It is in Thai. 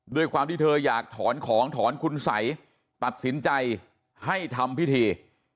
ด้วยความที่เธออยากถอนของถอนคุณสัยตัดสินใจให้ทำพิธี